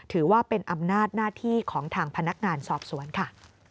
ถือว่าเป็นอำนาจหน้าที่ของทางพนักงานสอบสวนค่ะ